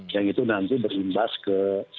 yang itu nanti berimbas ke